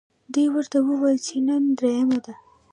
دوی ورته وویل چې نن درېیمه ده.